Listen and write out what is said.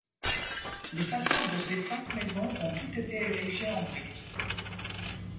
Les façades de ces cinq maisons ont toutes été érigées en brique.